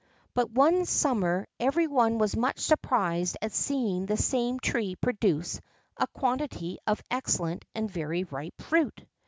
But one summer every one was much surprised at seeing this same tree produce a quantity of excellent and very ripe fruit.